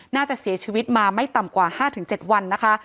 น่าจะเสียชีวิตมาไม่ต่ำกว่า๕๗วันนะคะ